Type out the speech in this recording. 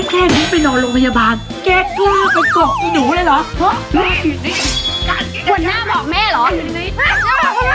แค่นี้ไปนอนโรงพยาบาลแกกล้าไปเกาะไอ้หนูเลยเหรอ